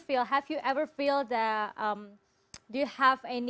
apakah anda pernah merasakan pengalaman pribadi sebelumnya tentang kampen ini